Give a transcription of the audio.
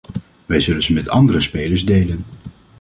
Wij zullen ze met andere spelers delen.